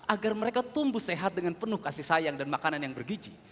agar mereka tumbuh sehat dengan penuh kasih sayang dan makanan yang bergiji